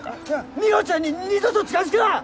美穂ちゃんに二度と近づくな！